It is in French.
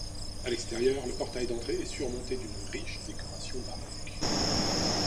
À l'extérieur le portail d'entrée est surmonté d'une riche décoration baroque.